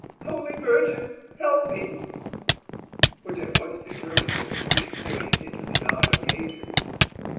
Holy Virgin, help me!" which at once determined him to push his way into the knot of gazers.